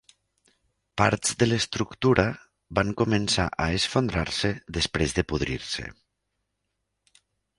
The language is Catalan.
Parts de l'estructura van començar a esfondrar-se després de podrir-se.